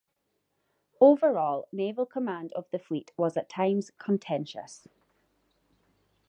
Overall naval command of the fleet was at times contentious.